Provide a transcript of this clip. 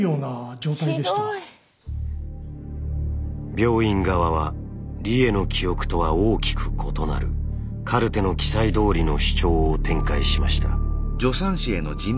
病院側は理栄の記憶とは大きく異なるカルテの記載どおりの主張を展開しました。